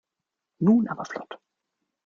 Nun aber flott!